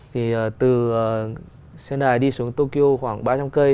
thì từ sendai đi xuống tokyo khoảng ba trăm linh cây